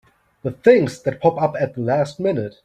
The things that pop up at the last minute!